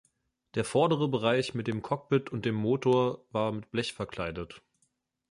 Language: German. Der vordere Bereich mit dem Cockpit und dem Motor war mit Blech verkleidet.